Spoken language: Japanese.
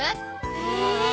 へえ。